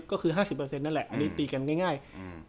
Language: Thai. ก็คือห้าสิบเปอร์เซ็นนั่นแหละอันนี้ตีกันง่ายง่ายอืม